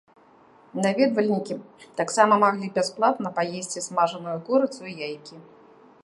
Наведвальнікі таксама маглі бясплатна паесці смажаную курыцу і яйкі.